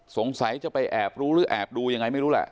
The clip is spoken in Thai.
สงสัยจะไปแอบรู้หรือแอบดูยังไงไม่รู้แหละ